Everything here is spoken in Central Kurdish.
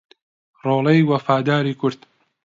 ڕۆڵەی وەفاداری کورد